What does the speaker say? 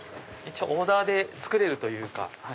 一応オーダーで作れるというか。